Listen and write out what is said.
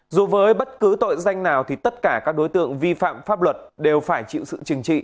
dù với bất cứ tội danh nào thì tất cả các đối tượng vi phạm pháp luật đều phải chịu sự trừng trị